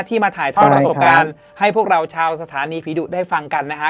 มาถ่ายทอดประสบการณ์ให้พวกเราชาวสถานีผีดุได้ฟังกันนะฮะ